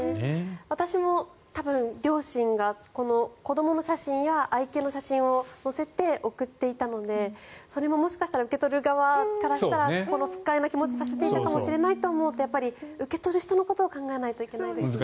私も多分、両親がこの、子どもの写真や愛犬の写真を載せて送っていたのでそれももしかしたら受け取る側からしたら不快な気持ちにさせていたかもしれないと思うとやっぱり受け取る人のことを考えないといけないですよね。